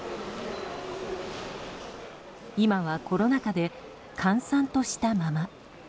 今はコロナ禍で閑散としたまま。